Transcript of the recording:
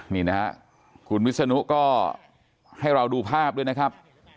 นี่นะครับคุณวิศนุก็ให้เราดูภาพด้วยนะครับ